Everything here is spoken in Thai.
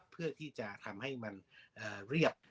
เพื่อที่จะทำให้มันเรียบ